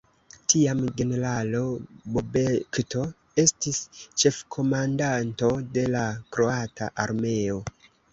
Tiam generalo Bobetko estis ĉefkomandanto de la kroata armeo.